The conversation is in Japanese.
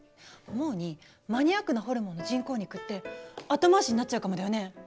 思うにマニアックなホルモンの人工肉って後回しになっちゃうかもだよね？